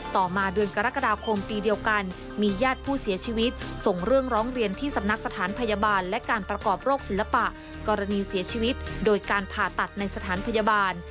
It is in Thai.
ต่อมาเดือนกรกฎาคมปีเดียวกันมีญาติผู้เสียชีวิตส่งเรื่องร้องเรียนที่สำนักสถานพยาบาลและการประกอบโรคศิลปะกรณีเสียชีวิตโดยการผ่าตัดในสถานพยาบาล